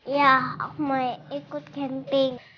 yah aku mau ikut camping